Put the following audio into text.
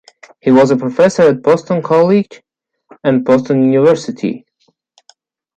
He was a professor at Boston College and Boston University.